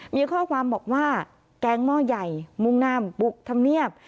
มีข้อความบอกว่าแก๊งหม้อใหญ่มุ่งหน้ามบุกธรรมเนียบ